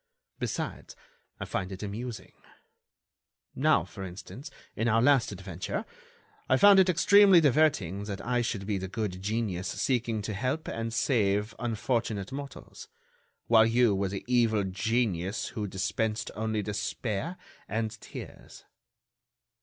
Besides, I find it amusing. Now, for instance, in our last adventure, I found it extremely diverting that I should be the good genius seeking to help and save unfortunate mortals, while you were the evil genius who dispensed only despair and tears."